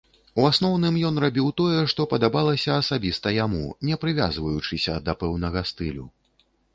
У асноўным ён рабіў тое, што падабалася асабіста яму, не прывязваючыся да пэўнага стылю.